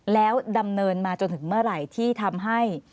แล้วดำเนินมาจนถึงเมื่อไหร่ที่ทำให้